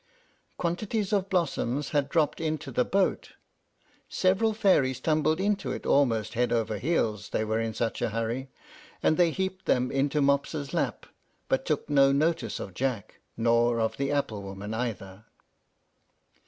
Quantities of blossoms had dropped into the boat. Several fairies tumbled into it almost head over heels, they were in such a hurry, and they heaped them into Mopsa's lap, but took no notice of Jack, nor of the apple woman either.